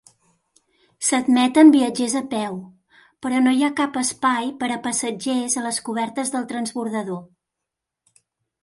S'admeten viatgers a peu, però no hi ha cap espai per a passatgers a les cobertes del transbordador.